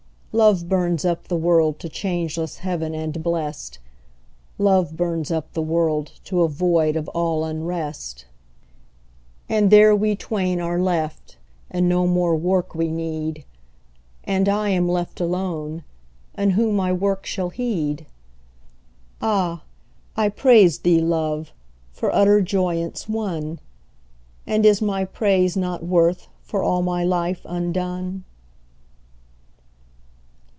Love burns up the world to changeless heaven and blest, "Love burns up the world to a void of all unrest." And there we twain are left, and no more work we need: "And I am left alone, and who my work shall heed?" Ah! I praise thee, Love, for utter joyance won! "And is my praise nought worth for all my life undone?"